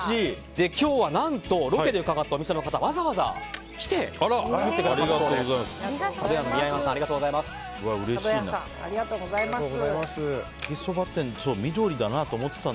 今日は何とロケで伺ったお店の方がわざわざ来て作ってくださいました。